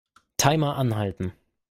Timer anhalten.